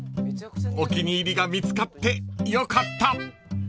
［お気に入りが見つかってよかった］